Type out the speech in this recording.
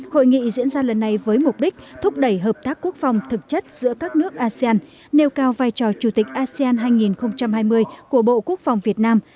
hội nghị diễn ra lần này với mục đích thúc đẩy hợp tác quốc phòng thực chất giữa các nước asean nêu cao vai trò chủ tịch asean hai nghìn hai mươi của bộ quốc phòng việt nam